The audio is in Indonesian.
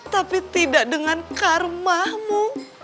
tapi tidak dengan karmamu